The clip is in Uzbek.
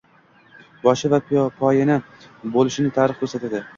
– boshi va poyoni bo‘lishini tarix ko‘rsatdi.